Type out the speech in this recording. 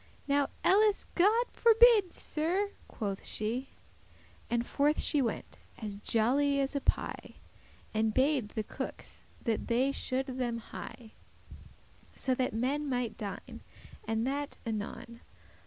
"Now elles God forbidde, Sir," quoth she; And forth she went, as jolly as a pie, And bade the cookes that they should them hie,* *make haste So that men mighte dine, and that anon.